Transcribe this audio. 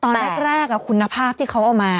ตอนแรกคุณภาพที่เขาเอามา